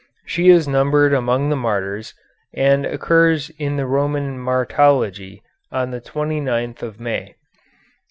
She is numbered among the martyrs, and occurs in the Roman Martyrology on the 29th of May.